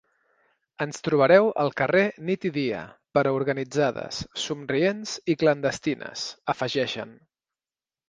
Ens trobareu al carrer nit i dia, però organitzades; somrients i clandestines, afegeixen.